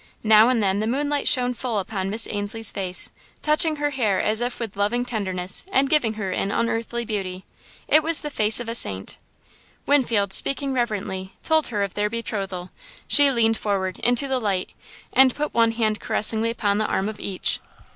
Now and then the moonlight shone full upon Miss Ainslie's face, touching her hair as if with loving tenderness and giving her an unearthly beauty. It was the face of a saint. Winfield, speaking reverently, told her of their betrothal. She leaned forward, into the light, and put one hand caressingly upon the arm of each.